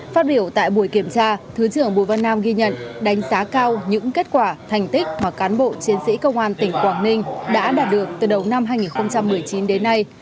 phát biểu tại buổi kiểm tra thứ trưởng bùi văn nam ghi nhận đánh giá cao những kết quả thành tích mà cán bộ chiến sĩ công an tỉnh quảng ninh đã đạt được từ đầu năm hai nghìn một mươi chín đến nay